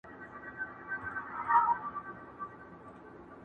په خبره ولي نه سره پوهېږو.!